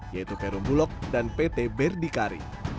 yaitu perumulok dan pt berdikari